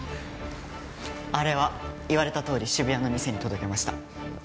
あれは言われたとおり渋谷の店に届けました